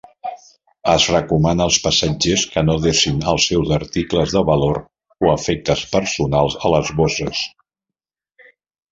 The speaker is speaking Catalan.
Es recomana als passatgers que no desin els seus articles de valor o efectes personals a les bosses.